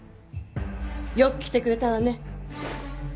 よく来てくれたわね。